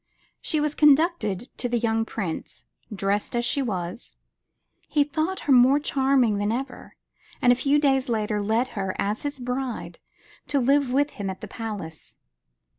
She was conducted to the young prince, dressed as she was. He thought her more charming than ever, and a few days later, led her, as his bride, to live with him at the palace.